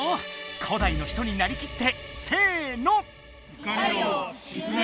古代の人になりきってせの！